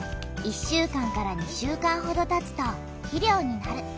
１週間２週間ほどたつと肥料になる。